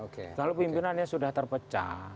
kalau pimpinannya sudah terpecah